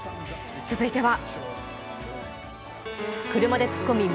続いては。